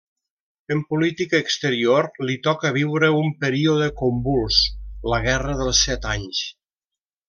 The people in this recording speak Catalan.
En política exterior li toca viure un període convuls: la guerra dels Set Anys.